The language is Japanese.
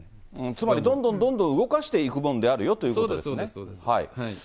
つまりどんどんどんどん動かしていくもんであるよということそうです、そうです。